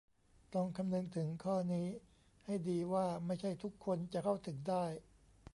ต้องคำนึงถึงข้อนี้ให้ดีว่าไม่ใช่ทุกคนจะเข้าถึงได้